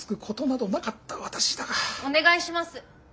お願いします。